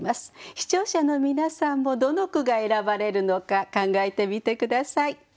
視聴者の皆さんもどの句が選ばれるのか考えてみて下さい。